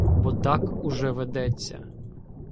Бо так уже ведеться.